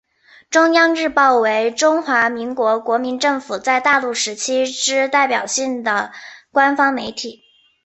中央日报为中华民国国民政府在大陆时期之代表性的官方媒体。